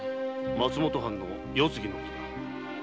松本藩の世継ぎのことだ。